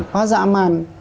quá dã man